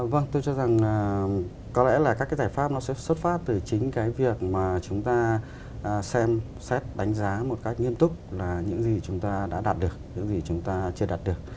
vâng tôi cho rằng có lẽ là các cái giải pháp nó sẽ xuất phát từ chính cái việc mà chúng ta xem xét đánh giá một cách nghiêm túc là những gì chúng ta đã đạt được những gì chúng ta chưa đạt được